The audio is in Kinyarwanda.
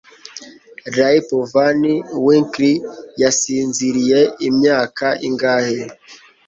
Rip Van Winkle yasinziriye imyaka ingahe?